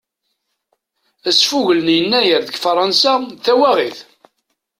Asfugel n yennayer deg faransa d tawaɣit.